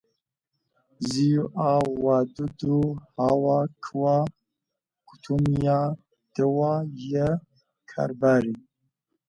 zuia wadudu hawa kwa kutumia dawa ya Carbaryl.